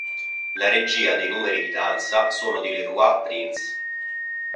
La regia dei numeri di danza sono di LeRoy Prinz.